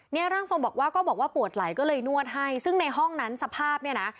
ร่างทรงบอกว่าก็บอกว่าปวดไหลก็เลยนวดให้ซึ่งในห้องนั้นสภาพเนี่ยนะ